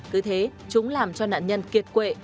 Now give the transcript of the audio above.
cứ thế chúng làm cho nạn nhân kiệt quệ